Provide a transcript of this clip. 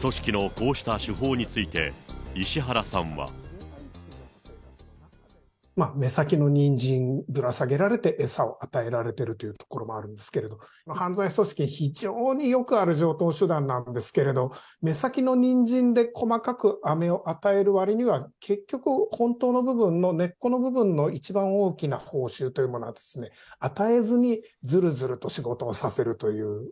組織のこうした手法について、石原さんは。目先のニンジンぶら下げられて、餌を与えられているというところもあるんですけれども、犯罪組織に非常によくある常とう手段なんですけれど、目先のニンジンで細かくアメを与えるわりには、結局、根本の部分の根っこの部分の一番大きな報酬というものはですね、与えずにずるずると仕事をさせるという。